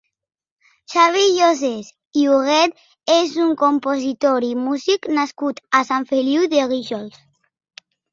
Xavi Lloses i Huguet és un compositor i músic nascut a Sant Feliu de Guíxols.